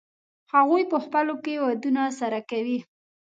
هغوی په خپلو کې ودونه سره کوي.